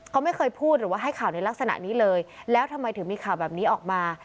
เขาไม่เคยพูดหรือว่าให้ข่าวในลักษณะนี้เลยแล้วทำไมถึงมีข่าวแบบนี้ออกมา